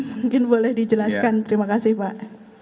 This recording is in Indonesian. mungkin boleh dijelaskan terima kasih pak